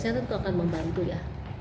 saya rasa itu akan membantu ya